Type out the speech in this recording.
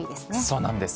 そうなんです。